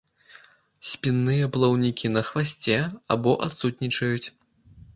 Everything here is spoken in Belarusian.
Спінныя плаўнікі на хвасце або адсутнічаюць.